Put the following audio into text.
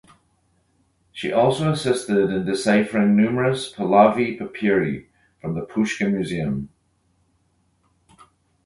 She also assisted in deciphering numerous Pahlavi papyri from the Pushkin Museum.